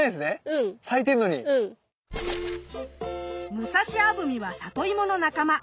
ムサシアブミはサトイモの仲間。